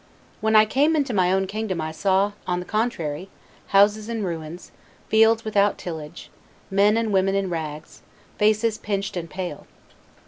When I came into my own kingdom I saw, on the contrary, houses in ruins, fields without tillage, men and women in rags, faces pinched and pale.